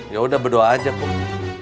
yaudah berdoa aja kom